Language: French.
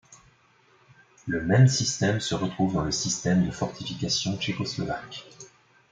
Le même système se retrouve dans le système de fortifications tchécoslovaques.